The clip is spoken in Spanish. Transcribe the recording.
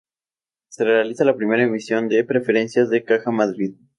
Se realiza la primera emisión de preferentes de Caja Madrid.